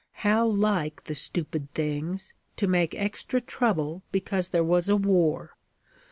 How like the stupid things, to make extra trouble because there was a war!